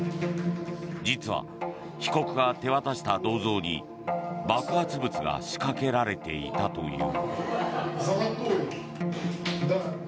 実は、被告が手渡した銅像に爆発物が仕掛けられていたという。